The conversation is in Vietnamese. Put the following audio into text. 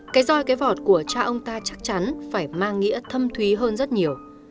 cái roi cái vọt của cha ông ta chắc chắn phải mang nghĩa thâm thúy hơn rất nhiều